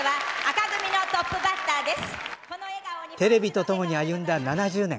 テレビと共に歩んだ７０年。